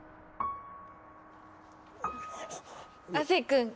亜生君